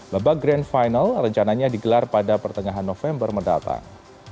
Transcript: babak grand final rencananya digelar pada pertengahan november mendatang